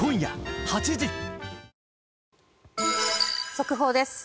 速報です。